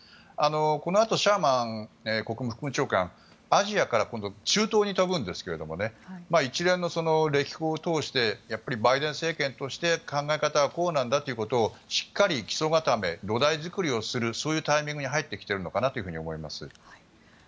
このあとシャーマン国務副長官はアジアから今度中東へ飛ぶんですけども一連の歴訪を通してバイデン政権として考え方はこうなんだということをしっかり基礎固め、土台作りをするそういうタイミングに入ってきているのかなと思います。